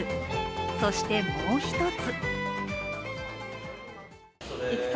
そして、もう一つ。